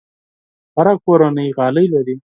هره کورنۍ غالۍ لري.